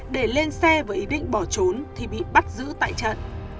để lên xe với ý định bỏ trốn thì bị bắt giữ tại trận